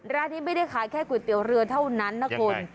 ร้านนี้ไม่ได้ขายแค่ก๋วยเตี๋ยวเรือเท่านั้นนะคุณ